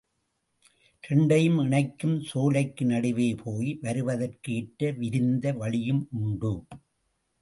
இரண்டையும் இணைக்கும் சோலைக்கு நடுவே போய் வருவதற்கு ஏற்ற விரிந்த வழியும் உண்டு.